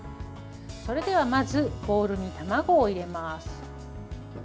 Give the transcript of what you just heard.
それではまずボウルに卵を入れます。